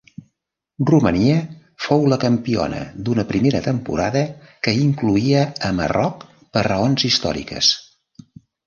Romania fou la campiona d'una primera temporada que incloïa a Marroc per raons històriques.